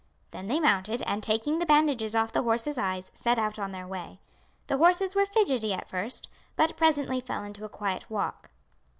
Then they mounted, and taking the bandages off the horses' eyes set out on their way. The horses were fidgety at first, but presently fell into a quiet walk.